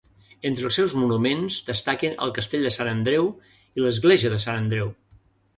Entre els seus monuments destaquen el Castell de Sant Andreu i l'Església de Sant Andreu.